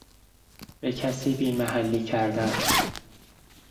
به کسی بیمحلی کردن